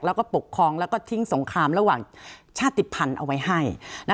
แล้วก็ปกครองแล้วก็ทิ้งสงครามระหว่างชาติภัณฑ์เอาไว้ให้